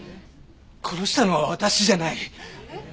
殺したのは私じゃない。